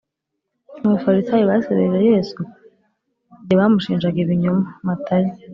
Abafarisayo basebeje yesu igihe bamushinjaga ibinyoma matayo